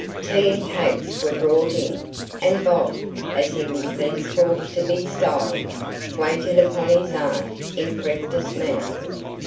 Tea and cakes were brought in, and Bob, as he was thenceforth to be styled, waited upon his aunt in the correctest manner.